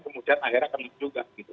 kemudian akhirnya kena juga gitu